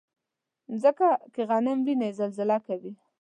مځکه که غم وویني، زلزله کوي.